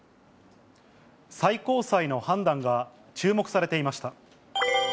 最高裁の判断が注目されていました。